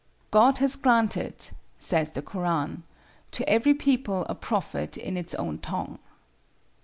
"God has granted," says the Koran, "to every people a prophet in its own tongue."